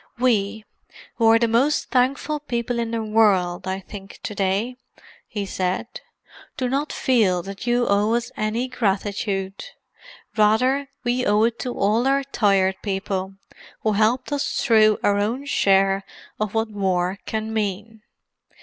"We, who are the most thankful people in the world, I think, to day," he said, "do not feel that you owe us any gratitude. Rather we owe it to all our Tired People—who helped us through our own share of what war can mean.